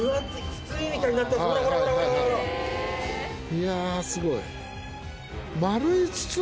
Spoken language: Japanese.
いやすごい。